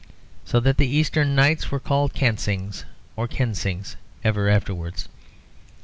So that the Eastern Knights were called Cansings or Kensings ever afterwards.